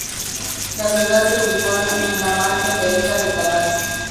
La ciudad se ubicó en la margen derecha del canal.